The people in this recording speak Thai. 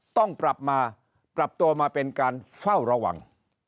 ต้องปรับมาปรับตัวมาเป็นการเฝ้าระวัง